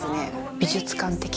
美術館的な。